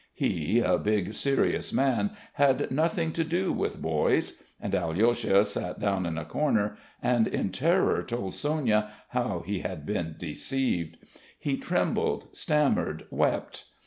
He, a big serious man, had nothing to do with boys. And Alyosha sat down in a corner and in terror told Sonya how he had been deceived. He trembled, stammered, wept.